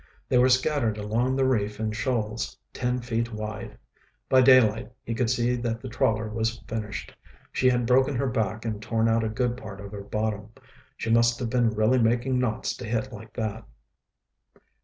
They were scattered along the reef in shoals ten feet wide. By daylight he could see that the trawler was finished. She had broken her back and torn out a good part of her bottom. She must have been really making knots to hit like that.